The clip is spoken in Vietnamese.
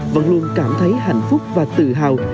vẫn luôn cảm thấy hạnh phúc và tự hào